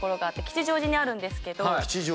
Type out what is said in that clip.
吉祥寺にあるんですけど。